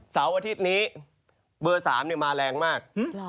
เสาร์อาทิตย์นี้เบอร์๓มาแรงมาก